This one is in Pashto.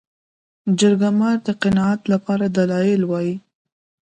جرګه مار د قناعت لپاره دلایل وايي